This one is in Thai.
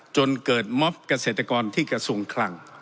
จนเกิดม็อบเกษตรกรที่กระทรวงคลัง